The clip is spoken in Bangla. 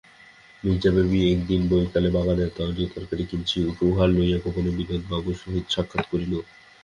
মির্জা বিবি একদিন বৈকালে বাগানের তরিতরকারি কিঞ্চিৎ উপহার লইয়া গোপনে বিপিনবাবুর সহিত সাক্ষাৎ করিল।